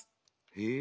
へえ。